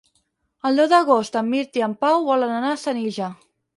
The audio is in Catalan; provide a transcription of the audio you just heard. El deu d'agost en Mirt i en Pau volen anar a Senija.